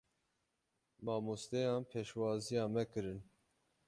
Mamosteyan pêşwaziya me kirin.